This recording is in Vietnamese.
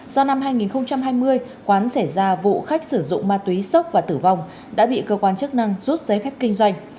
do năm hai nghìn hai mươi quán xảy ra vụ khách sử dụng ma túy sốc và tử vong đã bị cơ quan chức năng rút giấy phép kinh doanh